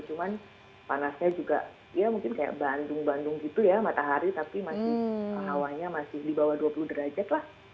cuman panasnya juga ya mungkin kayak bandung bandung gitu ya matahari tapi masih hawanya masih di bawah dua puluh derajat lah